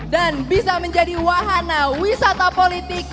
bisa menjadi wahana wisata politik